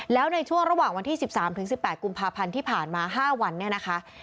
แล้วในช่วงระหว่างวันที่สิบสามถึงสิบแปดกุมภาพันธ์ที่ผ่านมาห้าวันเนี่ยนะคะ